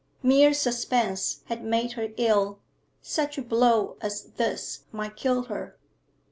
Mere suspense had made her ill; such a blow as this might kill her.